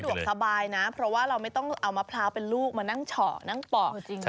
อย่างนี้ก็สะดวกสบายนะเพราะว่าเราไม่ต้องเอามาพร้าวเป็นลูกมานั่งเฉาะนั่งปอก